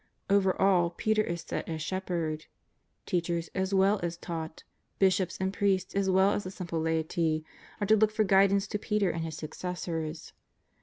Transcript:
Over all Peter is set as Shepherd. Teachers as well as taught, bishops and JESUS OF NAZARETH. 395 priests as well as the simple laitj, are to look for guid ance to Peter and his successors.